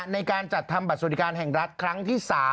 ในการจัดทำบัตรสวัสดิการแห่งรัฐครั้งที่๓